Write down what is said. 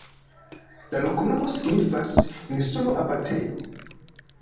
La loknomo signifas: insulo-abatejo.